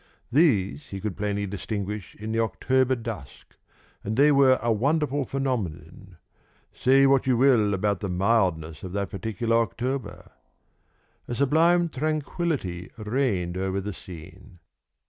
These he could plainly distinguish in the October dusk, and they were a wonderful phenomenon say what you will about the mildness of that particular October! A sublime tranquillity reigned over the scene.